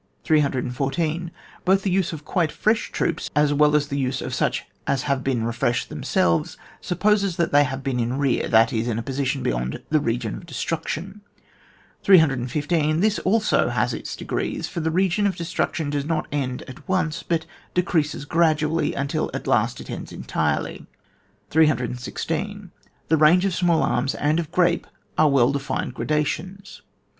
314. Both the use of quite fresh troops, as well as the use of such as have re freshed themselves supposes that they have been in rear — ^that is, in a position beyond the region of destruction. 315. This also has its degrees, for the region of destruction does not end at once, but decreases gradually, until at last it ends entirely. 316. The range of small arms and of grape, are well defined gradations.